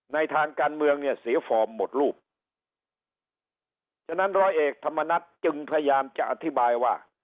ทางการเมืองเนี่ยเสียฟอร์มหมดรูปฉะนั้นร้อยเอกธรรมนัฐจึงพยายามจะอธิบายว่า